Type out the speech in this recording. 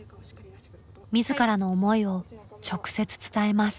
自らの思いを直接伝えます。